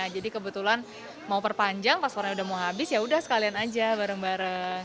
jadi kebetulan mau perpanjang paspornya udah mau habis yaudah sekalian aja bareng bareng